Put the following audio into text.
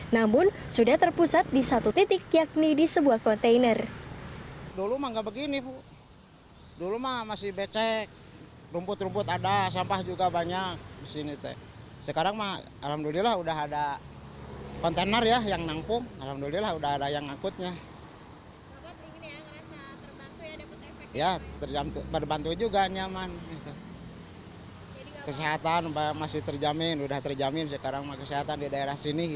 namun sudah terpusat di satu titik yakni di sebuah kontainer